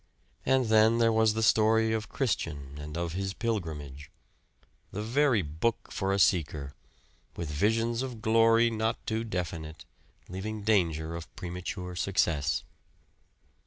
And then there was the story of Christian, and of his pilgrimage; the very book for a Seeker with visions of glory not too definite, leaving danger of premature success.